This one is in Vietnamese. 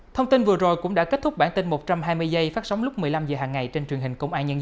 thông tin vừa rồi cũng đã kết thúc bản tin một trăm hai mươi giây phát sóng lúc một mươi năm h hàng ngày trên truyền hình công an nhân dân